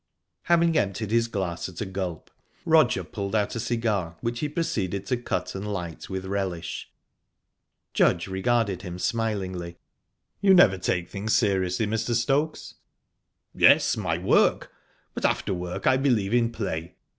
Having emptied his glass at a gulp, Roger pulled out a cigar, which he proceeded to cut and light with relish. Judge regarded him smilingly. "You never take things seriously, Mr. Stokes?" "Yes, my work. But after work I believe in play."